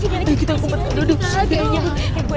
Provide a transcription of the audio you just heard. iya iya kita ngumpet duduk duduk